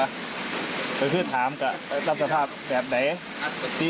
ตรงนี้คือถามกับราธาภาพแบบไหน